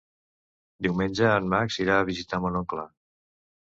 Diumenge en Max irà a visitar mon oncle.